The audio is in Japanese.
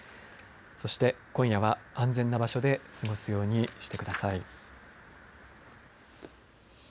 そして今夜は安全な場所で過ごすようにしてください。